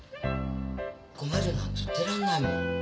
困るなんて言ってらんないもん。